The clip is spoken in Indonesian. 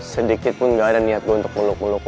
sedikitpun gak ada niat gue untuk peluk peluk lo